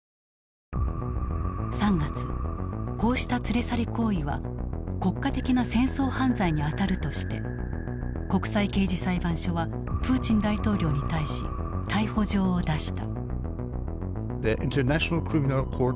３月こうした連れ去り行為は国家的な戦争犯罪にあたるとして国際刑事裁判所はプーチン大統領に対し逮捕状を出した。